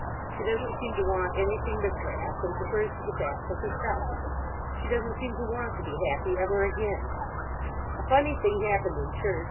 She doesn't seem to want anything but grass, and prefers to get that for herself. She doesn't seem to want to be happy ever again. "A funny thing happened in church.